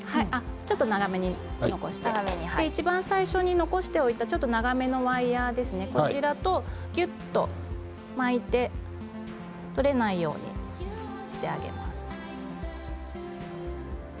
ちょっと長めに残していちばん最初に残しておいたちょっと長めのワイヤーをぎゅっと巻いて取れないようにしてあげます。